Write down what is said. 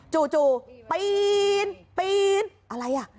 จู่ปีนอะไรอ่ะ